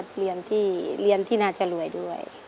ก็เรียนที่นาจลวยด้วย